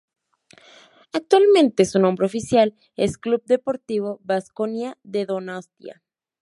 Actualmente su nombre oficial es Club Deportivo Vasconia de Donostia.